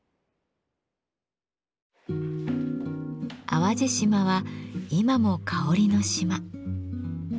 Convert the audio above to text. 淡路島は今も香りの島。